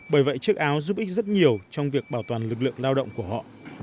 bởi vậy chiếc áo giúp ích rất nhiều trong việc bảo toàn lực lượng lao động của họ